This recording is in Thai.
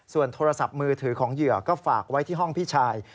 ส่วนโทรศัพท์มือถือของเหยื่อก็ฝากไว้ที่ห้องพี่ชาย